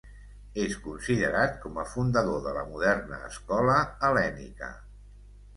És considerat com a fundador de la moderna escola hel·lènica.